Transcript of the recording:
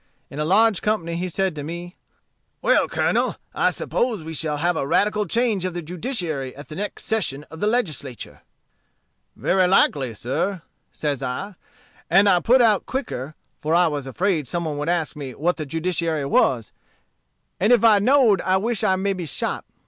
In a large company he said to me, 'Well, Colonel, I suppose we shall have a radical change of the judiciary at the next session of the Legislature.' 'Very likely, sir,' says I. And I put out quicker, for I was afraid some one would ask me what the judiciary was; and if I know'd I wish I may be shot.